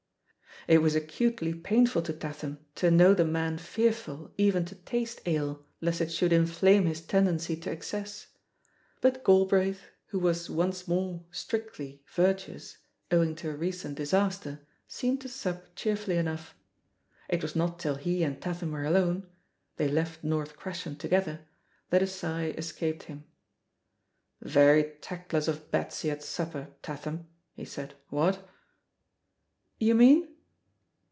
It was acutely painful to Tatham to know the THE POSITION OF PEGGY HARPER 111 man fearful even to taste ale lest it should in"* flame his tendency to excess ; but Galbraith, who was once more strictly virtuous, owing to a re cent disaster, seemed to sup cheerfully enough. It was not till he and Tatham were alone — ^they left North Crescent together — ^that a sigh es caped him. "Very tactless of Betsy at supper, Tatham," he said, "what?" "You mean